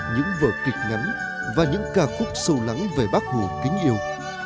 những vở kịch ngắn và những ca khúc sâu lắng về bác hồ kính yêu